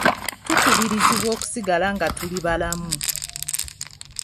Tukubirizibwa okusigala nga tuli balamu.